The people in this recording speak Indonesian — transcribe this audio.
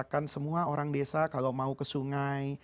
kan semua orang desa kalau mau ke sungai